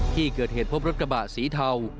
ที่เกิดเหตุพบรถกระบะสีเทา